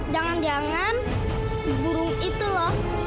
jangan jangan buru itu loh